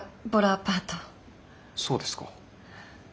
そうですか。